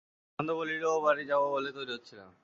নন্দ বলিল, ও বাড়ি যাব বলে তৈরি হচ্ছিলাম।